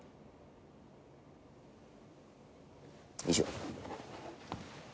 以上。